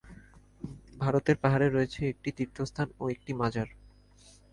ভারতের পাহাড়ে রয়েছে একটি তীর্থস্থান ও একটি মাজার।